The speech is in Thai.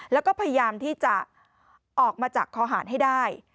แล้วก็พยายามที่จะออกมาจากคอหารให้ได้